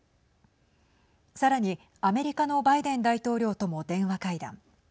さらに、アメリカのバイデン大統領とも電話会談。